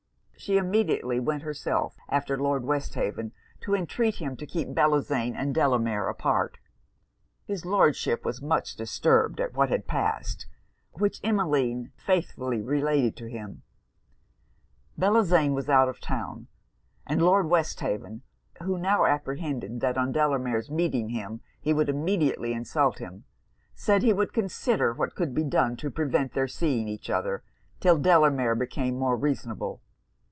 She immediately went herself after Lord Westhaven, to intreat him to keep Bellozane and Delamere apart. His Lordship was much disturbed at what had passed, which Emmeline faithfully related to him: Bellozane was still out of town; and Lord Westhaven, who now apprehended that on Delamere's meeting him he would immediately insult him, said he would consider what could be done to prevent their seeing each other 'till Delamere became more reasonable.